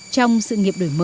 trong sự nghiệp đổi mục